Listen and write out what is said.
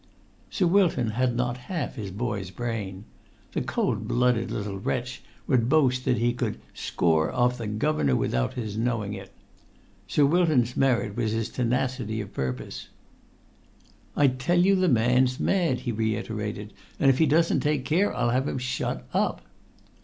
Sir Wilton had not half his boy's brain. The cold blooded little wretch would boast that he could "score off the governor without his knowing it." Sir Wilton's merit was his tenacity of purpose. "I tell you the man's mad," he reiterated; "and if he doesn't take care I'll have him shut up."